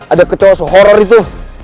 ada kecuali sehoror itu